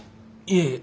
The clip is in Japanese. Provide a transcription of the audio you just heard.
いえ